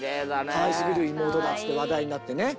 かわいすぎる妹だっつって話題になってね。